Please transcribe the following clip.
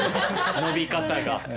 伸び方が。